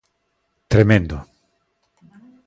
Tremendo.